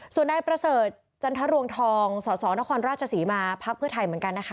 ส่วนนายประเสริฐจันทรวงทองสสนครราชศรีมาพักเพื่อไทยเหมือนกันนะคะ